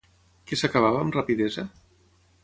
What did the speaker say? Què s'acabava amb rapidesa?